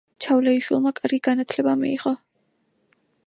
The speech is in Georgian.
ჩავლეიშვილმა კარგი განათლება მიიღო.